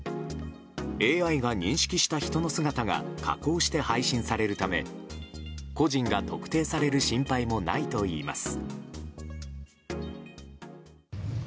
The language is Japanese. ＡＩが認識した人の姿が加工して配信されるため個人が特定される心配もないといいます。